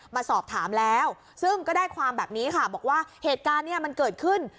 มาสอบถามแล้วซึ่งก็ได้ความแบบนี้ค่ะบอกว่าเหตุการณ์เนี่ยมันเกิดขึ้น